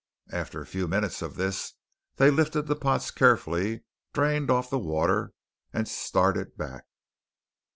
After a few minutes of this, they lifted the pots carefully, drained off the water, and started back.